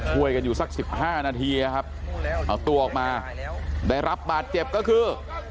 ช่วยกันอยู่สัก๑๕นาทีนะครับเอาตัวออกมาได้รับบาดเจ็บก็คือ